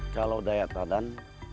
kalau daya tadan